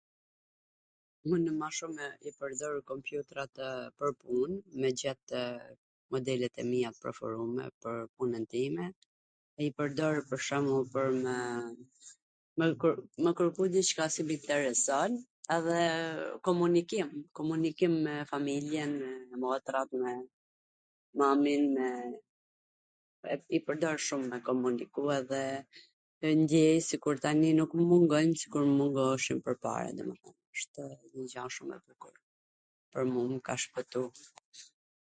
Un ma shum i pwrdor kompjutratw pwr pun, me gjet modelet e mia t preferume pwr punwn time, me i pwrdorw pwr shwmbull nw... me kwrku diCka qw mw intereson edhe komunikim, komunikim me familjenw, me motrat, me mamin, e i pwrdor shum me komuniku edhe e ndjej sikur tani nuk mw mungojn sikur mw mungojshin pwrpara, domethan ashtw njw gja shum e bukur pwr mu, mw ka shpwtu.